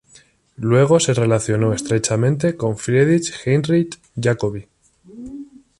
Luego se relacionó estrechamente con Friedrich Heinrich Jacobi.